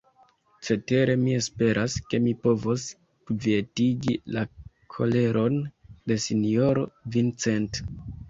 Cetere mi esperas, ke mi povos kvietigi la koleron de sinjoro Vincent.